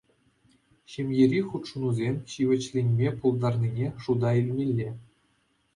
Ҫемьери хутшӑнусем ҫивӗчленме пултарнине шута илмелле.